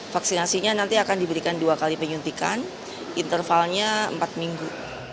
vaksinasinya nanti akan diberikan dua kali penyuntikan intervalnya empat minggu